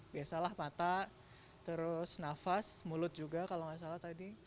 biasalah mata terus nafas mulut juga kalau nggak salah tadi